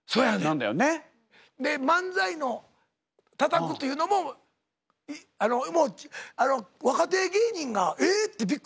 で漫才のたたくというのももう若手芸人が「え！」ってびっくりしよんの。